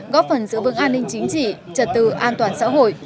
góp phần giữ vững an ninh chính trị trật tự an toàn xã hội